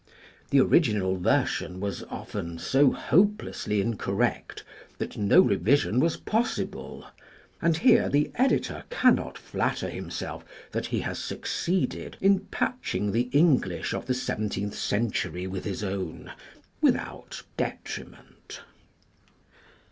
The original version was often so hopelessly incorrect that no revision was possible; and here the editor cannot flatter him self that he has succeeded in patching the English of the seven teenth century with his own without detriment.